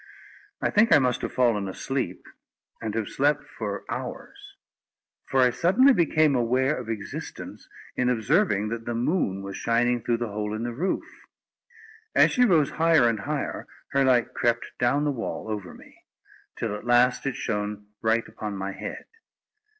I think I must have fallen asleep, and have slept for hours; for I suddenly became aware of existence, in observing that the moon was shining through the hole in the roof. As she rose higher and higher, her light crept down the wall over me, till at last it shone right upon my head.